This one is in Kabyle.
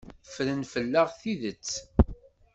Ffren fell-aɣ tidet.